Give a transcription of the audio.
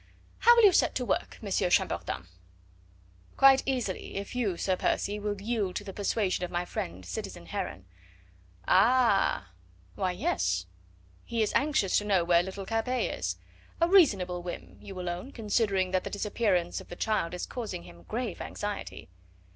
"How will you set to work, Monsieur Chambertin?" "Quite easily, if you, Sir Percy, will yield to the persuasion of my friend citizen Heron." "Ah!" "Why, yes! He is anxious to know where little Capet is. A reasonable whim, you will own, considering that the disappearance of the child is causing him grave anxiety."